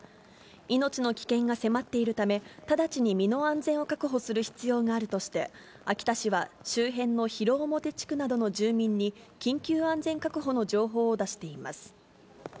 命の危険が迫っているため、直ちに身の安全を確保する必要があるとして、秋田市は、周辺の広面地区などの住民に緊急安全確保の情報を出しています。